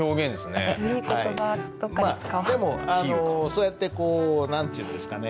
でもあのそうやってこう何て言うんですかね